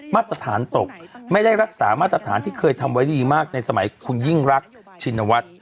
มาตรฐานตกไม่ได้รักษามาตรฐานที่เคยทำไว้ดีมากในสมัยคุณยิ่งรักชินวัฒน์